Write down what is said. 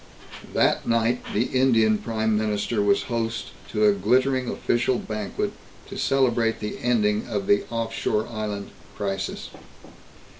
That night the Indian Prime Minister was host to a glittering official banquet to celebrate the ending of the "offshore island" crisis.